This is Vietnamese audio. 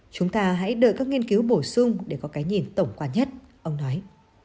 chúng ta hãy đợi các nghiên cứu bổ sung để có cái nhìn tổng quan nhất ông nói